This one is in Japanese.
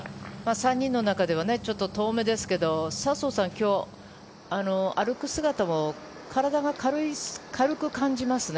３人の中ではちょっと遠めですけど笹生さん、今日は歩く姿も体が軽く感じますね。